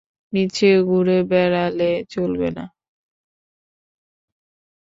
মিছে ঘুরে বেড়ালে চলবে না।